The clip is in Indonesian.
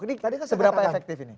ini tadi kan seberapa efektif ini